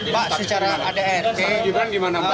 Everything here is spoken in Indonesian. pak secara adn